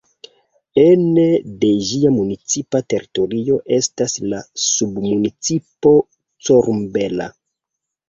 Ene de ĝia municipa teritorio estas la submunicipo Corumbela.